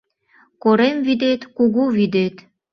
Корем вӱдет — кугу вӱдет